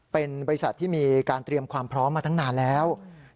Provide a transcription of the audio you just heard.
เป็นบริษัทที่มีการเตรียมความพร้อมมาตั้งนานแล้ว